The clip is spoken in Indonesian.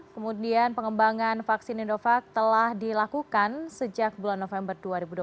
kemudian pengembangan vaksin indovac telah dilakukan sejak bulan november dua ribu dua puluh